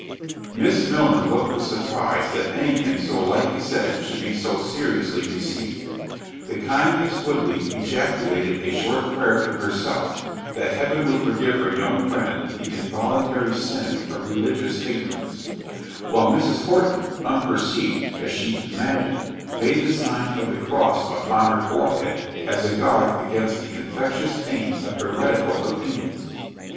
Miss Milner looked with surprise that any thing so lightly said, should be so seriously received. The kind Miss Woodley ejaculated a short prayer to herself, that heaven would forgive her young friend the involuntary sin of religious ignorance—while Mrs. Horton, unperceived, as she imagined, made the sign of the cross upon her forehead as a guard against the infectious taint of heretical opinions.